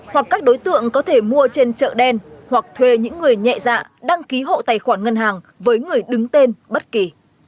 hoặc các đối tượng có thể mua trên chợ đen hoặc thuê những người nhẹ dạ đăng ký hộ tài khoản ngân hàng với người đứng tên bất kỳ